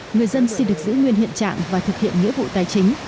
người dân xin được giữ nguyên hiện trạng và thực hiện nghĩa vụ tài chính